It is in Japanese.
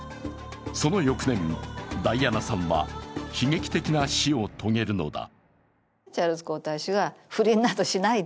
その翌年、ダイアナさんは悲劇的な死を遂げるのだ。